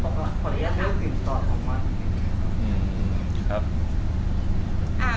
ขออนุญาตให้สินสอดทองมัน